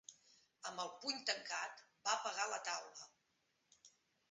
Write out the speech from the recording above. Amb el puny tancat, va pegar la taula.